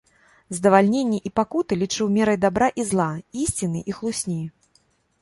Здавальненне і пакуты лічыў мерай дабра і зла, ісціны і хлусні.